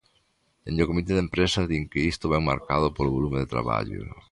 Dende o comité de empresa din que isto vén marcado polo volume de traballo.